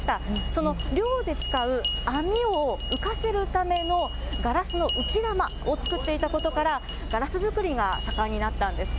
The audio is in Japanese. その漁で使う網を浮かせるための、ガラスの浮き球を作っていたことから、ガラスづくりが盛んになったんです。